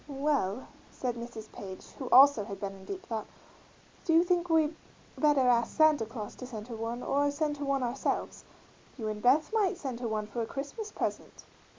"Well," said Mrs. Page, who also had been in deep thought, "do you think we better ask Santa Claus to send her one, or send her one ourselves? You and Beth might send her one for a Christmas present."